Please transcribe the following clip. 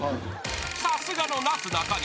［さすがのなすなかにし］